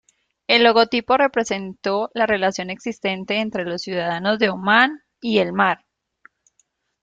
El logotipo representó la relación existente entre los ciudadanos de Omán y el mar.